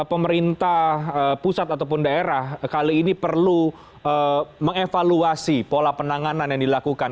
pemerintah pusat ataupun daerah kali ini perlu mengevaluasi pola penanganan yang dilakukan